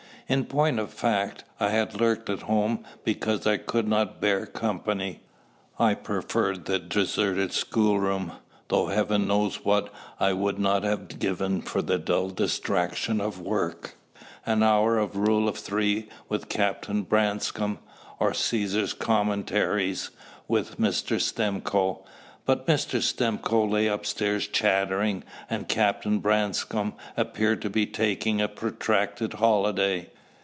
In point of fact, I had lurked at home because I could not bear company. I preferred the deserted schoolroom, though Heaven knows what I would not have given for the dull distraction of work an hour of Rule of Three with Captain Branscome, or Caesar's Commentaries with Mr. Stimcoe. But Mr. Stimcoe lay upstairs chattering, and Captain Branscome appeared to be taking a protracted holiday.